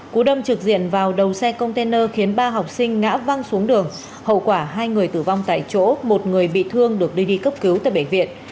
cú đâm trực diện vào đầu xe container khiến ba học sinh ngã văng xuống đường hậu quả hai người tử vong tại chỗ một người bị thương được đưa đi cấp cứu tại bệnh viện